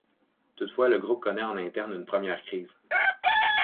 Toutefois, le groupe connait en interne une première crise.